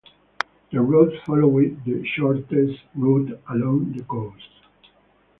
The route followed the shortest route along the coast.